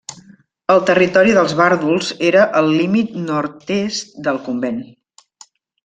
El territori dels vàrduls era al límit nord-est del convent.